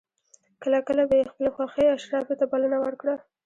کله کله به یې خپلې خوښې اشرافي ته بلنه ورکړه.